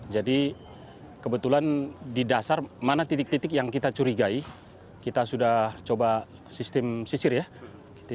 jadi kebetulan di dasar mana titik titik yang kita curigai kita sudah coba sistem sisir ya